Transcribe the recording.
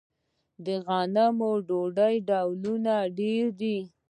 د غنمو ډوډۍ ډولونه ډیر دي.